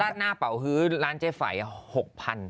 ร้านหน้าเป่าฮื้อร้านเจฝัย๖๐๐๐บาท